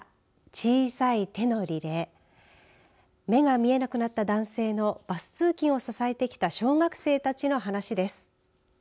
小さい手のリレー目が見えなくなった男性のバス通勤を支えてきた小学生たちの話です。